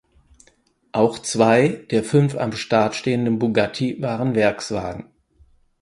Auch zwei der fünf am Start stehenden Bugatti waren Werkswagen.